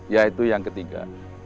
yaitu yang ketiga